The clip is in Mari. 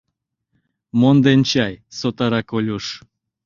— Монден чай, — сотара Колюш.